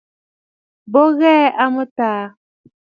Bo ghɛɛ a mɨtaa.